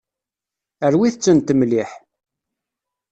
Rwit-tent mliḥ.